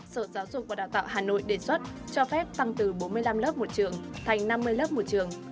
sở giáo dục và đào tạo hà nội đề xuất cho phép tăng từ bốn mươi năm lớp một trường thành năm mươi lớp một trường